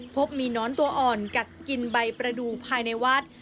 พบมีน้อนตัวอ่อนกัดกินใบประดูกภายในวัด